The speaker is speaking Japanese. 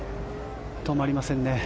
止まりませんね。